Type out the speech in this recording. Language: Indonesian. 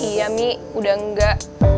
iya mi udah enggak